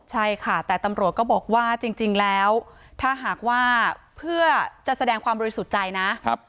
ใช่ค่ะแต่ตำรวจก็บอกว่าจริงแล้วถ้าหากว่าเพื่อจะแสดงความบริสุทธิ์ใจนะ